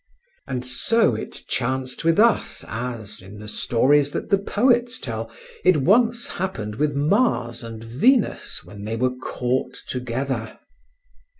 And so it chanced with us as, in the stories that the poets tell, it once happened with Mars and Venus when they were caught together.